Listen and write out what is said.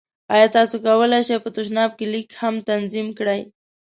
ایا تاسو کولی شئ په تشناب کې لیک هم تنظیم کړئ؟